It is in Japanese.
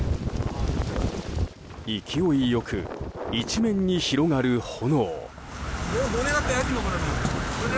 勢いよく一面に広がる炎。